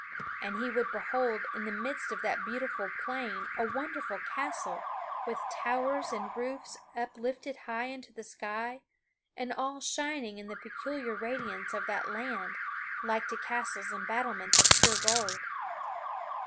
And he would behold in the midst of that beautiful plain a wonderful castle with towers and roofs uplifted high into the sky, and all shining in the peculiar radiance of that land, like to castles and battlements of pure gold.